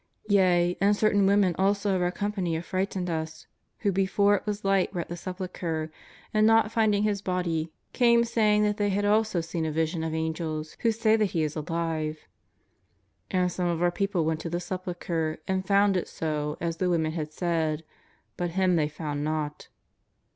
Yea, and certain women also of our company affrighted us, who before it was light were at the Sepulchre, and, not finding His Body, came saying that they had also seen a vision of Angels who say that He is alive. And some of our people Avent to the Sepulchre and found it so as the women had said, but Him they found not."